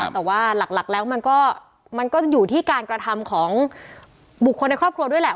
แต่ว่าหลักแล้วมันก็อยู่ที่การกระทำของบุคคลในครอบครัวด้วยแหละ